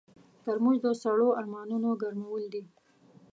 ترموز د سړو ارمانونو ګرمول دي.